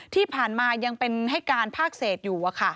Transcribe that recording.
ที่ผ่านมายังเป็นให้การภาคเศษอยู่